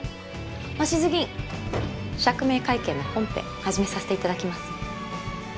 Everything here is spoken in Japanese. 鷲津議員釈明会見の本編始めさせていただきます。